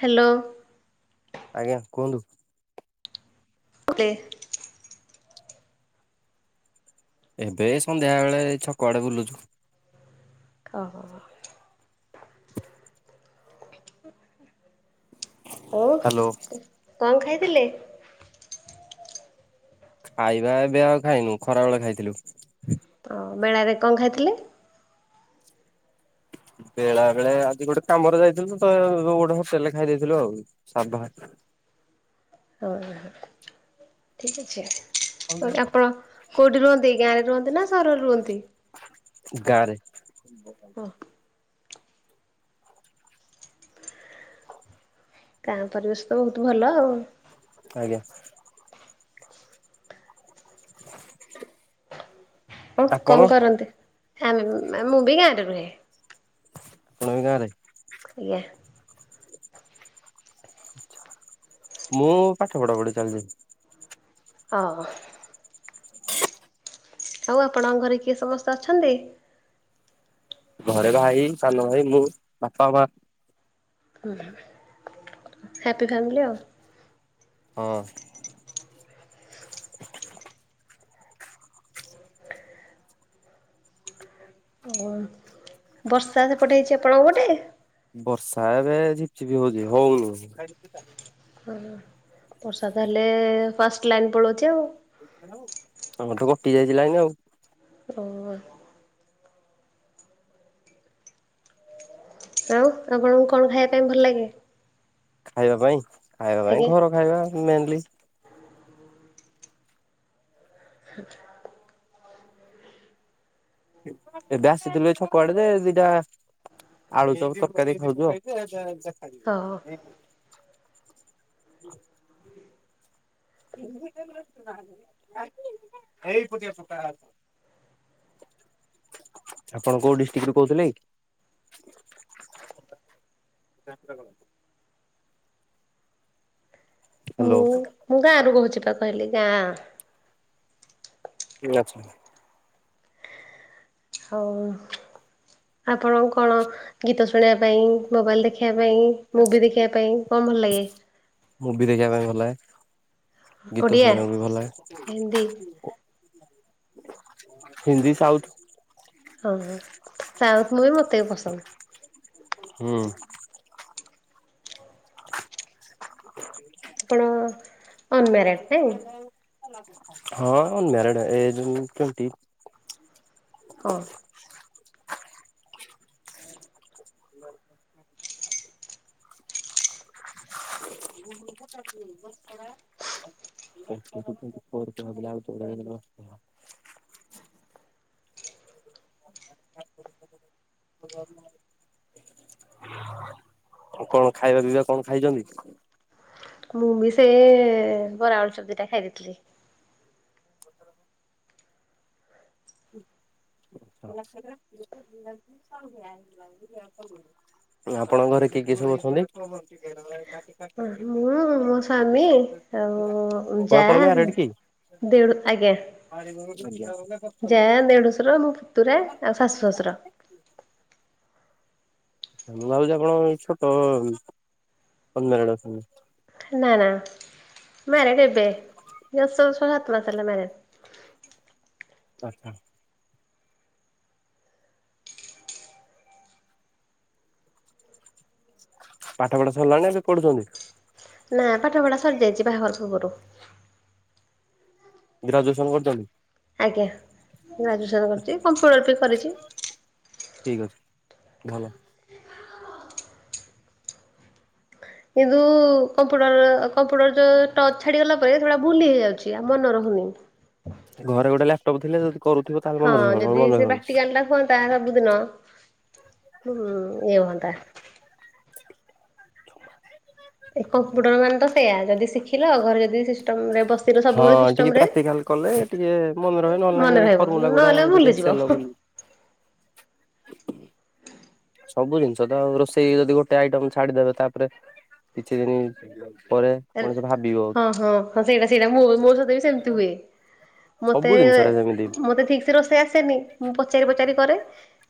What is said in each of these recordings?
Hello. ଆଜ୍ଞା କୁହନ୍ତୁ। ପ୍ଲେ । ଏବେ ସନ୍ଧ୍ୟା ବେଳେ ଛକଆଡେ ବୁଲୁଛୁ। ଓ ହୋ। ହଉ କଣ ଖାଇ ଥିଲେ । ଖାଇବା ଏବେ ଆଉ ଖାଇନୁ ଖରା ବେଳେ ଖାଇଥିଲୁ। ଓ ମେଳାରେ କଣ ଖାଇଥିଲେ? ବେଳା ବେଳେ ଆଜି ଗୋଟେ କାମରେ ଯାଇଥିଲୁ ତ ଗୋଟେ ହୋଟେଲରେ ଖାଇ ଦେଇଥିଲୁ ଆଉ ସାଧା। ହଁ ହ ଠିକ ଅଛି। ଆପଣ କୋଉଠି ରୁହନ୍ତି ଗାଁ ରେ ରୁହନ୍ତି ନା ସହରରେ ରୁହନ୍ତି? ଚା ହଁ [unintelligible] ଗାଁ ପରିବେଶ ତ ବହୁତ ଭଲ ଆଉ। ଆଜ୍ଞା [inaudible] ହଁ ଆପଣ କଣ କରନ୍ତି? ଆମ ମୁଁ ବି ମୁଁ ବି ଗାଁ ରେ ରୁହେ। ତୁମେ ବି ଗାଁ ରେ। ଆଜ୍ଞା। ମୁଁ ପାଠ ପଢା ପଢି ଚାଲିଚି। ହଁ। ଆଉ ଆପଣଙ୍କ ଘରେ କିଏ ସମସ୍ତେ ଅଛନ୍ତି? ଘରେ ଭାଇ ସାନ ଭାଇ ବୋଉ ବାପା ହ୍ୟାପି ଫ୍ୟାମିଲି ଆଉ। ହଁ। [inaudible] ଓ ବର୍ଷା ସେପଟେ ହେଇଛି ଆପଣଙ୍କ ପଟେ ବର୍ଷା ଏବେ ଝିପ ଝିପି ହଉଛି ହଉନି। ହଁ ବର୍ଷା ତାହେଲେ ଫାଷ୍ଟ ଲାଇନ୍ ପଳାଉଛି ଆଉ। ହଁ ତ କଟି ଯାଇଥିଲା ଏଇନା ଆଉ। ଓ ଆଉ ଆପଣଙ୍କୁ କଣ ଖାଇବା ପାଇଁ ଭଲ ଲାଗେ? ଖାଇବା ପାଇଁ? ଖାଇବା ପାଇଁ ଆଜ୍ଞା ଘର ଖାଇବା ମେନ୍ଲି। [inaudible] ଆ [inaudible] ଏବେ ଆସିଥିଲୁ ଏ ଛକ ଆଡେ ଯେ ଦିଟା ଆଳୁଚପ ତରକାରୀ ଖାଉଛୁ ଆଉ। ହଁ [unintelligible] ହୁଁ [inaudible] ଆପଣ କୋଉ ଡିଷ୍ଟ୍ରିକ୍ଟରୁ କହୁଥିଲେ କି? ମୁଁ ହ୍ୟାଲୋ। ମୁଁ ଗାଁ ରୁ କହୁଛି ତ। କହିଲି ଗାଁ। ଆଚ୍ଛା। ହଉ ଆପଣ କଣ ଗୀତ ଶୁଣିବା ପାଇଁ ମୋବାଇଲ ଦେଖିବା ପାଇଁ, ମୁଭି ଦେଖିବା ପାଇଁ କଣ ଭଲ ଲାଗେ? ମୁଭି ଦେଖିବା ପାଇଁ ଭଲ ଲାଗେ। ଗୀତ ଓଡ଼ିଆ ଶୁଣିବାକୁ ବି ଭଲ ଲାଗେ। ହିନ୍ଦୀ ହିନ୍ଦୀ ସାଉଥ। ହଁ ହଁ। ସାଉଥ ମୁଭି ମତେ ବି ପସନ୍ଦ। ହୁଁ। [inaudible] ଆପଣ ଅନମ୍ୟାରେଡ ଟି? ହଁ ଅନମ୍ୟାରେଡ୍। ଏଜ୍ ହିଁ ଟ୍ବେଣ୍ଟି। ହଁ। [unintelligible] ଆଉ କଣ ଖାଇବା ପିଇବା କଣ ଖାଇଚନ୍ତି? ମୁଁ ବି ସେ ଏ ବରା ଆଳୁଚପ ଦିଟା ଖାଇ ଦେଇଥିଲି। ଆପଣଙ୍କ ଘରେ କିଏ କିଏ ସବୁ ଅଛନ୍ତି? ମୁଁ ମୋ ସ୍ଵାମୀ ଆଉ ଓ ଆପଣ ଯାଆ ମ୍ୟାରେଡ୍ କି? ଦେଡୁ ଆଜ୍ଞା ଯାଆ ଦେଡୁଶୁର ର ମୋ ପୁତୁରା ଆଉ ଶାଶୂ ଶ୍ଵଶୁର। ମୁଁ ଭାବୁଛି ଆପଣ ଏ ଛୋଟ ଅ ଅ ଅନମ୍ୟାରେଡ୍ ଅଛନ୍ତି। ନା ନା ମ୍ୟାରେଡ୍ ଏବେ ଜଷ୍ଟ ଛଅ ସାତ ମାସ ହେଲା ମ୍ୟାରେଡ। ଆଚ୍ଛା। ପାଠ ପଢା ସରିଲାଣି ନା ଏବେ ପଢୁଛନ୍ତି? ନା ପାଠପଢା ସରି ଯାଇଛି ବାହାଘର ପୂର୍ବରୁ। ଗ୍ରାଜୁଏସନ କରିଚନ୍ତି? ଆଜ୍ଞା। ଗ୍ରାଜୁଏସନ କରିଚି କମ୍ପ୍ୟୁଟର ବି କରିଚି। ଠିକ୍ ଅଛି ଭଲ କିନ୍ତୁ କମ୍ପୁଟର କମ୍ପୁଟର ଯୋଉ ଟଚ ଛାଡିଗଲା ପରେ ସେଟା ଭୁଲି ହେଇଯାଉଛି ଆଉ ମନେ ରହୁନି ଘରେ ଗୋଟେ ଲ୍ୟାପଟପ୍ ଥିଲେ ଯଦି କରୁଥିବ ତାହେଲେ ହଁ ମନେ ରହିବ ଯଦି ନହେଲେ ମନେ ସେ ରହିବନି। ପ୍ରାକ୍ଟିକାଲ ଟା ହୁଅନ୍ତା ସବୁଦିନ ହଁ ଏତା ଏ କମ୍ପୁଟର ମାନେ ତ ସେଇୟା ଯଦି ଶିଖିଲ ଘରେ ଯଦି ସିସ ହଁ ଟିକେ ପ୍ରାକ୍ଟିକାଲ କଲେ ଟିକେ ମନେ ରହେ ନହେଲେ ନାଇଁ ମନେ ରହିବ ଫର୍ମୁଲା ଗୁଡା ନହେଲେ ଯଦି ଏକ୍ ସେଲ ଭୁଲିଯିବ ବୋଲି ସବୁ ଜିନିଷ ତ ଆଉ ରୋଷେଇ ଯଦି ଗୋଟେ ଆଇଟମ୍ ଛାଡିଦେବେ, ତାପରେ କିଛି ଦିନି ପରେ ଏ ମଣିଷ ଭାବିବ ହଁ ହଁ ହଁ ସେଇଟା ସେଇଟା ମୋ ସହିତ ବି ସେମିତି ହୁଏ ମତେ ସବୁ ଜିନିଷରେ ସେମିତି ମତେ ଠିକ୍ ସେ ରୋଷେଇ ଆସେନି ମୁଁ ପଚାରି ପଚାରି କରେ।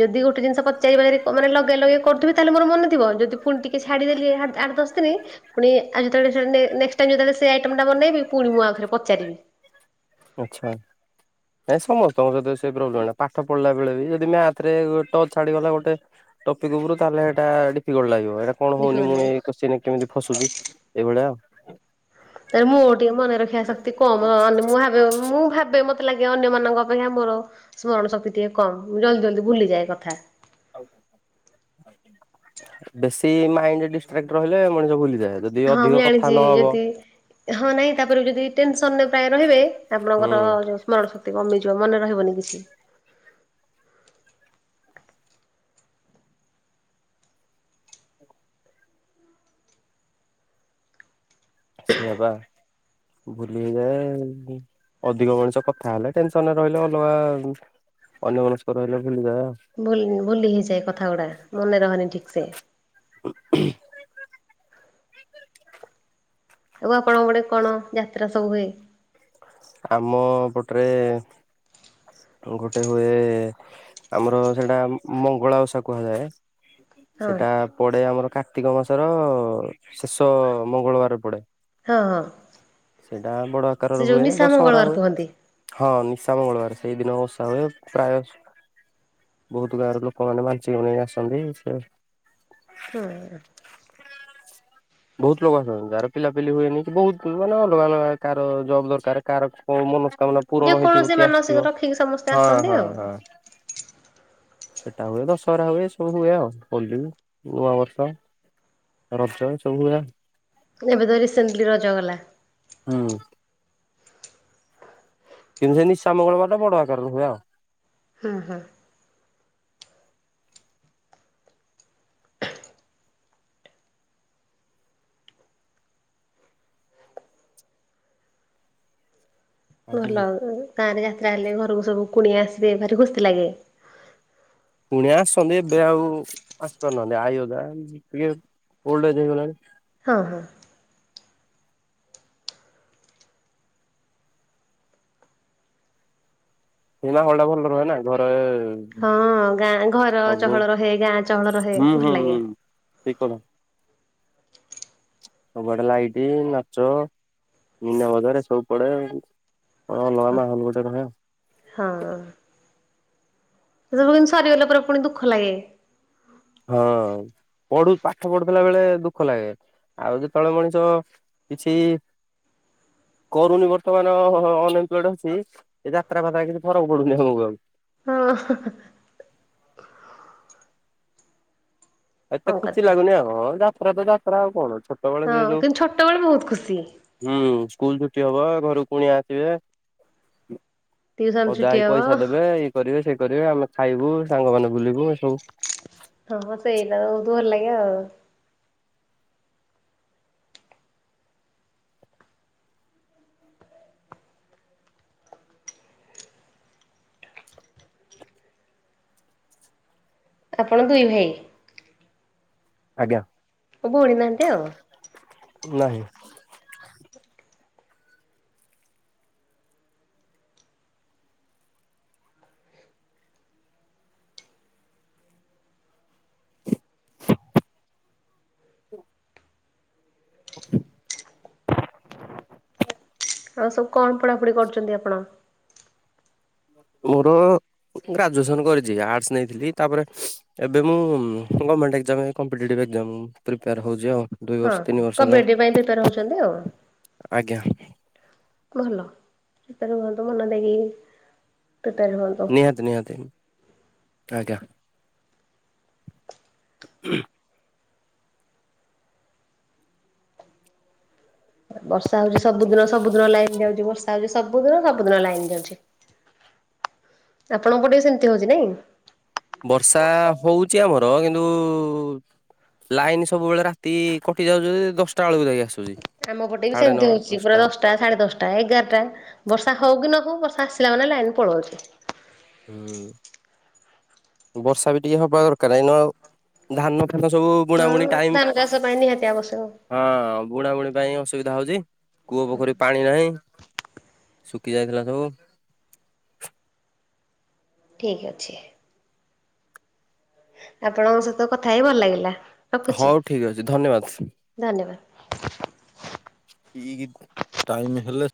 ଯଦି ଗୋଟେ ଜିନିଷ ପଚାରିବାରେ ମାନେ ଲଗ [unintelligible] କରୁଥିବି ତାହେଲେ ମୋର ମନେଥିବ। ଯଦି ପୁଣି ଟିକେ ସେ ଛାଡିଦେଲି, ଆଠ ଦଶ ଦିନ ପୁଣି ଆଜି ଯ ନେ-ନେକ୍ସଟ୍ ଟାଇମ୍ ଯେତେ ବେଳେ ସେ ଆଇଟମ୍ ଟା ବନେଇବି ପୁଣି ମୁଁ ଆଉଥରେ ପଚାରିବି। ଆଚ୍ଛା, ନାଇ ସମସ୍ତଙ୍କ ସହିତ ସେ ପ୍ରୋବ୍ଲେମ ପାଠ ପଢିଲା ବେଳେ ବି ଯଦି ମ୍ୟାଥ ଥରେ ଟଚ୍ ଛାଡିଗଲା ଗୋଟେ ଟପିକ ଉପରୁ ତାହେଲେ ହେଟା ଡିଫିକଲ୍ଟ ଲାଗିବ। ହଉ ଏଇଟା କଣ ହଉନି? ଡିଫିକଲ୍ଟ ମୁଁ ଲାଗେ। ଏଇ କୋସ୍ଚୀନ କେମିତି ଫସୁଛି? ଏଇଭଳିଆଉ। ତାର ମୋର ଟିକେ ମନେ ରଖିବା ଶକ୍ ତେ କମ ଆଁ ମୁଁ ଭବେବେ ମୁଁ ଭାବେ ମତେ ଲାଗେ ଅନ୍ୟମାନଙ୍କ ଅପେକ୍ଷା ମୋର ସ୍ମରଣ ଶକ୍ତି ଟିକେ କମ୍ ମୁଁ ଜଲଦି ଜଲଦି ଭୁଲିଯାଏ କଥା। ବେଶୀ ମାଇଣ୍ଡ ଡିଷ୍ଟ୍ରାକଟ୍ ରହିଲେ ମଣିଷ ଭୁଲିଯିବ। ହଁ ମୁଁ ଜାଣିଛି ଯେତି, ହଁ ନାଇଁ ତାପରେ ଯଦି ଟେନସ ତନେ ପ୍ରାୟ ରହିବେ ହୁଁ ଆପଣଙ୍କର ଯୋଉ ସ୍ମରଣ ଶକ୍ କମିଯିବ, ମନେ ରହିବନି କିଛି। ସେୟଆବା ଭୁଲି ହେଇଯାଏ, ଅଧିକ ମଣିଷ କଥା ହେଲେ ଟେନସନ୍ ରେ ରହିଲେ ଅଲଗା ଅନ୍ୟ ମନସ୍କ ରହିଲେ। ଭୁଲିଯାଏ ଆଉ ଭ-ଭୁଲି ହେଇଯାଏ କଥା ଗୁଡା। ମନେ ରହେନି ଠିକ୍ ସେ। [inaudible] ଆଉ ଆପଣଙ୍କ ଗୋଟେ କଣ ଯାତ୍ରା ସବୁ ହୁଏ? ଆମ ପଟରେ ଗୋଟେ ହୁଏ, ଆମର ସେଇଟା ମଙ୍ଗଳା ଓଷା କୁହାଯାଏ। ହଁ ସେଟା ପଡେ ଆମର କାର୍ତ୍ତିକ ମାସର ଶେଷ ମଙ୍ଗଳବାର ପଡେ। ହଁ ହଁ। ସେଇଟା ବଡ ସେ ଆକାରର ଯୋଉ ହୁଏ, ନିଶା ଦଶହରା ମଙ୍ଗଳବାର ହୁଏ। କୁହନ୍ତି ହଁ ନିଶା ମଙ୍ଗଳବାର ସେଇ ଦିନ ଓଷା ହୁଏ। ପ୍ରାୟ ବହୁତ ଗାଁର ଲୋକମାନ୍ସିକ ନେଇ ଆସନ୍ତି। ସେ ହଁ। ବହୁତ ଲୋକ ଆସନ୍ତି। ଯାହାର ପିଲାପିଲି ହୁଏନି କି ବହୁତ ମାନେ ଅଲଗା ଅଲଗା। କାହାର ଜବ୍ ଦରକାର, କାହାର ମ ଯେ କୌଣସି ମାନସିକ ରଖିକି ସମସ୍ତେ ହଁ ଆସନ୍ତି ହଁ ହଁ। ଆଉ। ସେଟା ହୁଏ, ଦଶହରା ହୁଏ, ଏସବୁ ହୁଏ, ଆଉ ହୋଲି, ନୂଆବର୍ଷ, ରଜ ଏ ସବୁ ହୁଏ ଆଉ। ଏବେ ତ ରିସେଣ୍ଟଲି ରଜଗଲା। ହୁଁ। କିନ୍ତୁ, ସେ ନିଶାାମଙ୍ଗଳବାର ଟା ବଡ଼ ଆକାର ରେ ହୁଏ ଆଉ। ହୁଁ ହଁ। ଆଉ ଭଲ ଗାଁ ରେ ଯାତା ତାହେଲେ ଘରକୁ ସବୁ କୁଣି ଆସିବେ ଭାରି ଖୁସି ଲାଗେ ପୁଣି ଆସିଛନ୍ତି ଏବେ ଆଉ ଆସିପାରୁନାହାନ୍ତି ଆଇା ଟିକେ ହେଇଗଲାଣି ହଁ ହଁ ସନା ହଳ ଟା ଭଲ ରୁହେ ନା ଘରେ । ହଁ ଗାଁ ଘର ଚହଳ ରହେ ଗାଁ ଚହଳ ରହେ ହୁଁ ହୁଁ ଭଲ ହୁଁ। ଲାଗେ ଠିକ କଥା ସବୁଆଡେ ଲାଇଟ୍ ନାଚ ମିନା ବଜରେ ସବୁ ପଡେ। ଅ ଲରା ହଁ। ମା ହଲ ଗୋ [unintelligible] ଟେ ନହେ ତ ବ ସାର ଗଲା ପରେ ପୁଣି ଦୁଃଖ ଲାଗେ ହଁ ପଢୁ ପାଠ ପଢୁଥିଲା ବେଳେ ଦୁଃଖ ଲାଗେ ଆଉ ଯେତେବେଳେ ମଣିଷ କିଛି କରୁନି ବର୍ତ୍ତମାନ ଅନଏମ୍ପ୍ଲଏଡ ଅଛି ଯାତ୍ରା ଫାତ୍ରା କିଛି ଫରକ ପଡୁନି ଆମକୁ ଆ ହଁ [inaudible] ଏତେ କଣ ଖୁସି କରିବା। ଲାଗୁନି ଆଉ ରଥଯାତ୍ରା ଆଉ କଣ ଅଛି ହଁ କିନ୍ତୁ ଛୋଟବେେଳେ ବହୁତ ଖୁସି। ହୁଁ ସ୍କୁଲ ଛୁଟି ହବ ଘରକୁ ପୁଣି ଆସିବେ ଟିଉସନ ଅଜା ଛୁଟି ଆଈ ହବ ପଇସା ଦେବେ ଇଏ କରିବେ ସେଇଠି। କରିବେ ଆମେ ଖାଇବୁ ସାଙ୍ଗମାନୋନ ବୁଲିବୁ ଏ ସବୁ। ହଁ ସେଇଟା ଭଲଲାଗେ। ଆପଣ ଦୁଇ ଭାଇ ଆଜ୍ଞା ଭଉଣୀ ନାହାନ୍ତି ଆଉ ନାହିଁ ହ ହ [unintelligible] [unintelligible] ଆଉ ସବୁ କଣ ପଢାପଢି କରୁଛନ୍ତି ଆପଣ ମୋର ଗ୍ରାଜୁଏସନ କରିଛି ଆର୍ଟସ ନେଇଥିଲି ତାପରେ ଏବେ ମୁଁ ଗଣମଣ୍ଟାମିପୋର ହଉଛି ଆଉ ଦୁଇ ହଁ ବର୍ଷ ତିନି ହଁ ବର୍ଷ ହେଲାଣି। କବାଡି ପାଇଁ ପବେ ରହୁଛନ୍ତି ଆଉ। ଆଜ୍ଞା ଭଲ ସେପରେ ହୁହନ୍ତୁ ମନ ଦେଇକି ପ୍ରିପେୟାର ହୁଅନ୍ତୁ। ନିହାତି ନିହାତି ଆଜ୍ଞା [inaudible] ବର୍ଷା ହଉଛି ସବୁ ଦିନ ସବୁ ଦିନ ଲାଇନ ଯାଉଛି ବର୍ଷା ହଉଛି ସବୁ ଦିନ ସବୁ ଦିନ ଲାଇନ ଯାଉଛି ଆପଣଙ୍କ ପ ଟେ ସେମତି ହଉଛି ନାଇଁ ବର୍ଷା ହଉଛି ଆମର କିନ୍ତୁ କିନ୍ତୁ ଲାଇନ୍ ସବୁବେଳେ ରାତି କଟି ଯାଉ ଦଶଟା ବେଳକୁ ଯାଇିକି ଆମ ପଟେ ବି ସେମିତି ହଉଛି ପୁରା ଦଶଟା ସାଢେ ଦଶଟା ଏଗାରଟା ବର୍ଷା ହଉ କି ନହଉ। ସ ବସା ଆସିଲା ମାନେ ଲାଇନ ପଳାଉଛି ହୁଁ ବର୍ଷା ବି ଟିକେ ହବା ଦରକାର ଏଇନୁ ଆଉ ଧାନ [unintelligible] ସବୁ ବୁଣା ହଁ ବୁଣି ଟାଇମ ଧାନ ଚାଷ ପାଇଁ ନିହାତି ଆବଶ୍ୟକ। ହଁ ବୁଣା ବୁଣି ପାଇଁ ଅସୁବିଧା ହଉଛି କୂଅ ପୋଖରୀ ପାଣି ନାହିଁ। ଶୁଖି ଯାଇଥିଲା ସବୁ। ଠିକ ଅଛି। ଆପଣଙ୍କ ସହିତ କଥା ହେଇ ଭଲ ଲାଗିଲା ରଖୁଛି ହଉ ଠିକ ଅଛି ଧନ୍ୟବାଦ। [inaudible] [unintelligible] ଟାଇମ୍ ହେଲେ